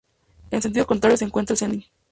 En sentido contrario se encuentra el cenit.